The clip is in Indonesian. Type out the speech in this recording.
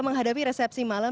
menghadapi resepsi malam